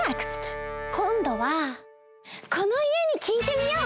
こんどはこのいえにきいてみよう！